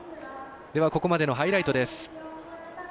ここまでのハイライトです。